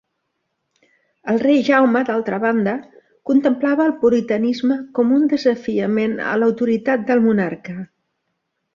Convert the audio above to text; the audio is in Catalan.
El rei Jaume, d'altra banda, contemplava el puritanisme com un desafiament a l'autoritat del monarca.